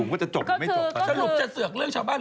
อ๋อเผือก